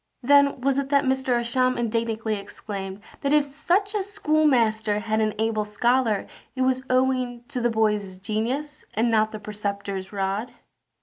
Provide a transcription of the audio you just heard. Then was it that Roger Ascham indignantly exclaimed, that if such a master had an able scholar it was owing to the boy's genius, and not the preceptor's rod.